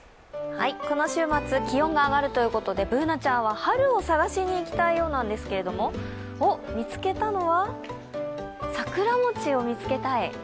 この週末、気温が上がるということで、Ｂｏｏｎａちゃんは春を探しに行きたいようなんですけれども、見つけたのは、桜餅を見つけた。